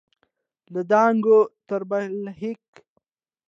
له دانګام تر بلهیکا